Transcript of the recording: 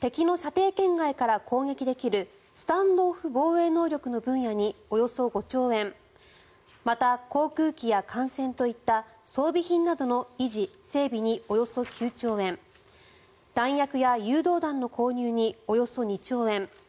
敵の射程圏外から攻撃できるスタンド・オフ防衛能力の分野におよそ５兆円また、航空機や艦船といった装備品などの維持整備におよそ９兆円弾薬や誘導弾の購入におよそ２兆円